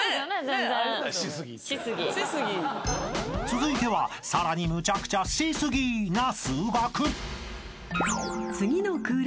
［続いてはさらにむちゃくちゃシスギな数学］